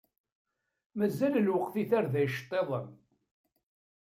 Mazal lweqt i tarda iceṭṭiḍen.